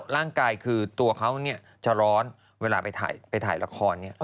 ร่างกายคือตัวเขาจะร้อนเวลาไปถ่ายละคร